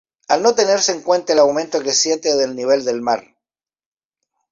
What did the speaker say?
al no tenerse en cuenta el aumento creciente del nivel del mar